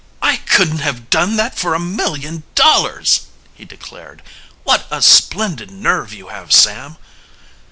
"I couldn't have done that for a million dollars!" he declared. "What a splendid nerve you have, Sam."